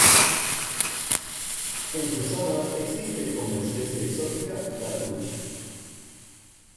En sus aguas existe, como especie exótica, la trucha.